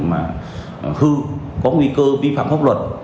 mà hư có nguy cơ vi phạm pháp luật